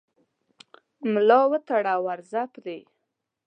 ملا وتړه او ورځه پرې